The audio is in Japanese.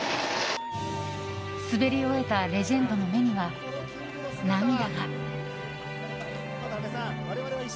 滑り終えたレジェンドの目には涙が。